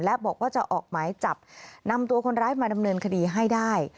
และบอกว่าจะออกหมายจับนำตัวคนร้ายมาดำเนินคดีให้ได้